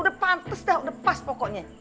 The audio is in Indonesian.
udah pantes deh udah pas pokoknya